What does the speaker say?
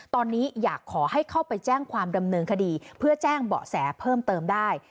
ตอนนี้อยากขอให้เข้าไปแจ้งความดำเนินคดีเพื่อแจ้งเบาะแสเพิ่มเติมได้